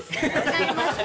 違います。